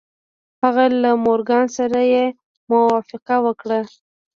هغه له مورګان سره يې موافقه وکړه.